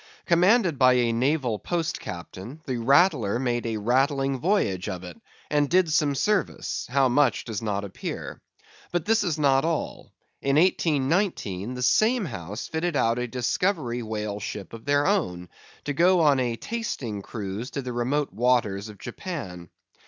Commanded by a naval Post Captain, the Rattler made a rattling voyage of it, and did some service; how much does not appear. But this is not all. In 1819, the same house fitted out a discovery whale ship of their own, to go on a tasting cruise to the remote waters of Japan.